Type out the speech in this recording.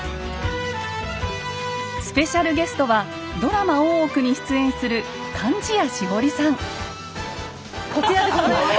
スペシャルゲストはドラマ「大奥」に出演するこちらでございます。